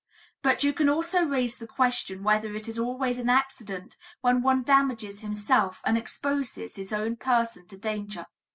But you can also raise the question whether it is always an accident when one damages himself and exposes his own person to danger.